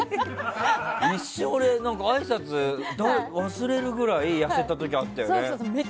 一瞬、あいさつ忘れるぐらい痩せた時あったよね。